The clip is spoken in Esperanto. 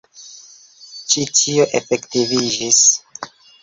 Ĉi tio efektiviĝis.